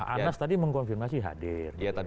anas tadi mengkonfirmasi hadir